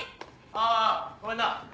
あごめんな。